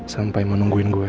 sampai menungguin gue